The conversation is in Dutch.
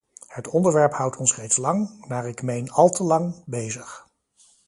Het onderwerp houdt ons reeds lang, naar ik meen al te lang, bezig.